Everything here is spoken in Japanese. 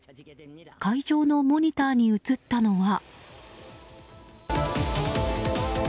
会場のモニターに映ったのは。